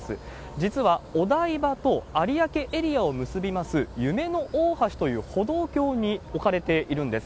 実はお台場と有明エリアを結びます、夢の大橋という歩道橋に置かれているんです。